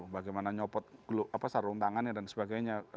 bagaimana nyopot sarung tangannya dan sebagainya